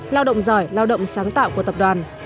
lao động giỏi lao động sáng tạo của tập đoàn